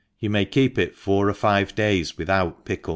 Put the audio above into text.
— You may ^eep it four or five days without pickle.